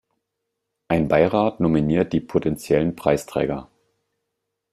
Ein Beirat nominiert die potentiellen Preisträger.